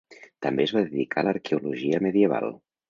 També es va dedicar a l'arqueologia medieval.